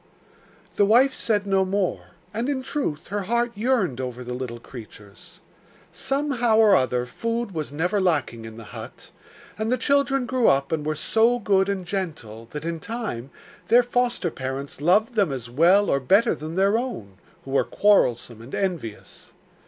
The wife said no more; and in truth her heart yearned over the little creatures. Somehow or other food was never lacking in the hut, and the children grew up and were so good and gentle that, in time, their foster parents loved them as well or better than their own, who were quarrelsome and envious.